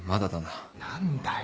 何だよ。